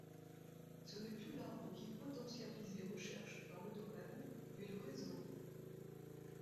Ce n'est plus l'arbre qui potentialise les recherches dans le domaine, mais le réseau.